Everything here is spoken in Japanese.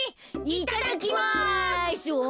いただきます。